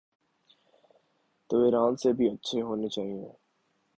تو ایران سے بھی اچھے ہونے چائیں۔